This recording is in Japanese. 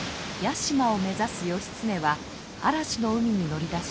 屋島を目指す義経は嵐の海に乗り出します。